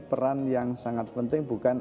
peran yang sangat penting bukan